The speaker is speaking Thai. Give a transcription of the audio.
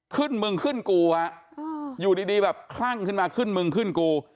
มึงขึ้นกูฮะอยู่ดีดีแบบคลั่งขึ้นมาขึ้นมึงขึ้นกู